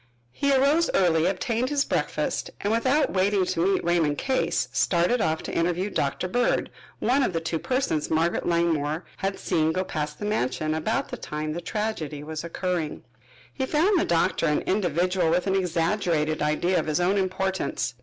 He arose early, obtained his breakfast, and without waiting to meet Raymond Case, started off to interview Doctor Bird, one of the two persons Margaret Langmore had seen go past the mansion about the time the tragedy was occurring. He found the doctor an individual with an exaggerated idea of his own importance.